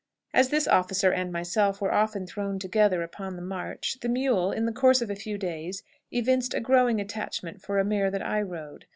As this officer and myself were often thrown together upon the march, the mule, in the course of a few days, evinced a growing attachment for a mare that I rode.